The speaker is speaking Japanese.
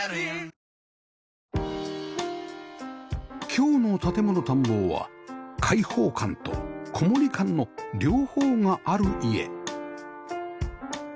今日の『建もの探訪』は開放感と籠もり感の両方がある家